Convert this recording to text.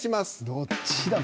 どっちだ？